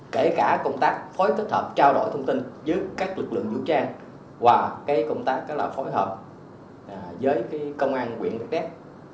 kể cả công tác phối tích hợp trao đổi thông tin giữa các lực lượng vũ trang và công tác phối hợp với công an quyện đất đất